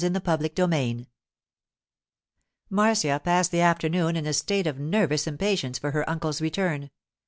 CHAPTER XXIII MARCIA passed the afternoon in a state of nervous impatience for her uncle's return.